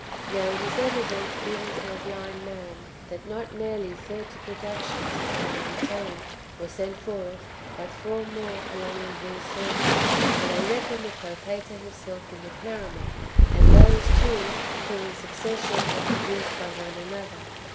Now, it is evident even to a blind man, that not merely thirty productions, as they maintain, were sent forth, but four more along with these thirty. For they reckon the Propator himself in the Pleroma, and those too, who in succession v/ere produced by one another.